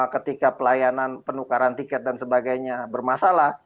ketika pelayanan penukaran tiket dan sebagainya bermasalah